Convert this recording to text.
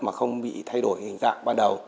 mà không bị thay đổi hình dạng ban đầu